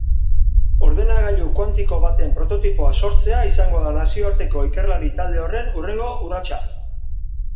Ordenagailu kuantiko baten prototipoa sortzea izango da nazioarteko ikerlari talde horren hurrengo urratsa.